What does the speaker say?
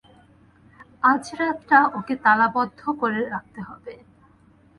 আজরাতটা ওকে তালাবন্ধ করে রাখতে হবে।